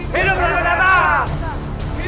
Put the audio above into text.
hidup yang datang